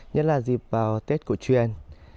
nhất là dịp vào tết cổ truyền